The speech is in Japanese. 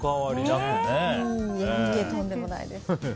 とんでもないです。